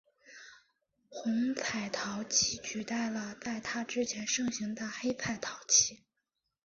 红彩陶器取代了在它之前盛行的黑彩陶器。